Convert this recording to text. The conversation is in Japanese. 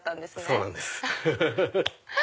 そうなんです。